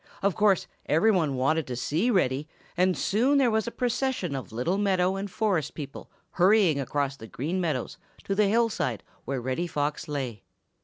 Of course, every one wanted to see Reddy, and soon there was a procession of little meadow and forest people hurrying across the Green Meadows to the hillside where Reddy Fox lay.